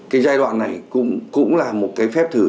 cái giai đoạn này cũng là một cái phép thử